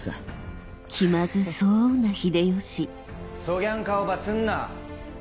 そぎゃん顔ばすんな！